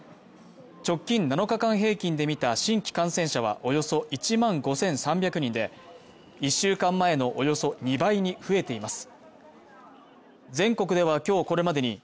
直近７日間平均で見た新規感染者はおよそ１万５３００人で１週間前のおよそ２倍に増えています。